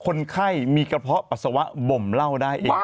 คนไข้มีกระเพาะปัสสาวะบ่มเหล้าได้เอง